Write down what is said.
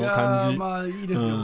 いやまあいいですよね。